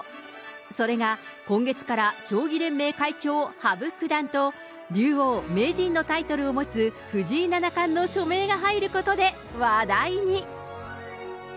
それが今月から将棋連盟会長、羽生九段と、竜王・名人のタイトルを持つ藤井七冠の署名が入ることで話題に。